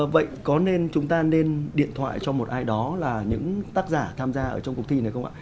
vậy có nên chúng ta nên điện thoại cho một ai đó là những tác giả tham gia ở trong cuộc thi này không ạ